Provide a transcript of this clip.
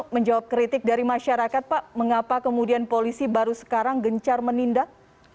menjawab kritik dari masyarakat pak mengapa kemudian polisi baru sekarang gencar menindak